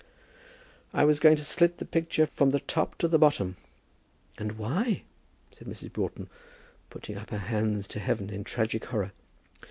"I was going to slit the picture from the top to the bottom." "And why?" said Mrs. Broughton, putting up her hands to heaven in tragic horror.